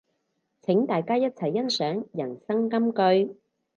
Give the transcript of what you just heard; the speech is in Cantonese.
請大家一齊欣賞人生金句